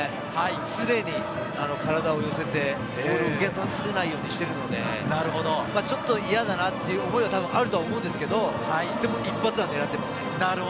常に体を寄せてボールを受けさせないようにしているので、ちょっと嫌だなという思いはあると思うんですけれど、でも、一発を狙っていますね。